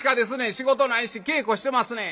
仕事ないし稽古してますねん」。